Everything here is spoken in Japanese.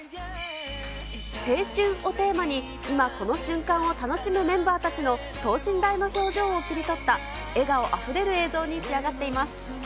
青春をテーマに、今、この瞬間を楽しむメンバーたちの等身大の表情を切り取った、笑顔あふれる映像に仕上がっています。